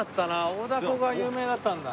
大凧が有名だったんだ。